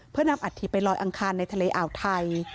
เพื่อนำอัฐิไปลอยอังคารในทะเลอ่าวไทย